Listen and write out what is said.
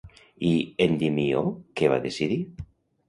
I Endimió què va decidir?